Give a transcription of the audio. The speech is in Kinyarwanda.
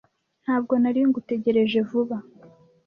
Ntabwo nari ngutegereje vuba.